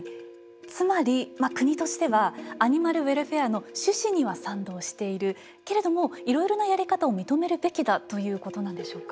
つまりまあ国としてはアニマルウェルフェアの趣旨には賛同しているけれどもいろいろなやり方を認めるべきだということなんでしょうか。